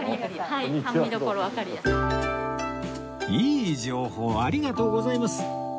いい情報ありがとうございます